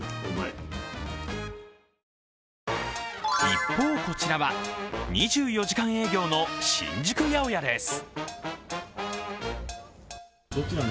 一方、こちらは２４時間営業の新宿八百屋です。